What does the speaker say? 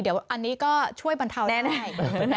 เดี๋ยวอันนี้ก็ช่วยบรรเทาแน่